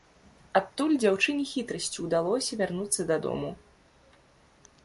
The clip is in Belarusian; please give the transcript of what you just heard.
Адтуль дзяўчыне хітрасцю ўдалося вярнуцца дадому.